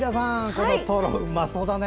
このトロ、うまそうだね。